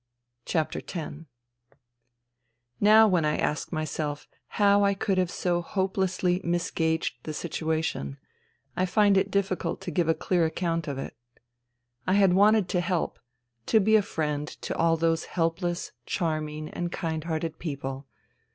X Now when I ask myself how I could have so hopelessly misgauged the situation, I find it difficult to give a clear account of it. I had wanted to help, to be a friend to all those helpless, charming and kind hearted people.